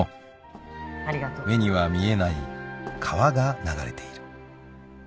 ［目には見えない川が流れている］